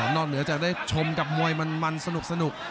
เหนือจากได้ชมกับมวยมันสนุก